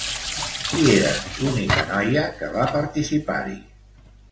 Qui era l'única noia que va participar-hi?